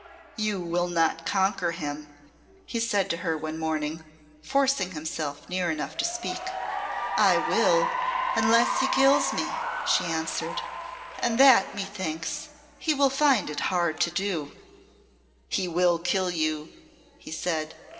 "You will not conquer him," he said to her one morning, forcing himself near enough to speak. "I will, unless he kills me," she answered, "and that methinks he will find it hard to do." "He will kill you," he said.